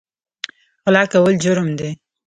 غلا کول جرم دی